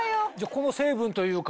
この成分というか。